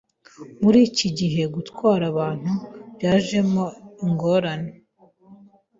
muri iki gihe gutwara abantu byajemo ingorane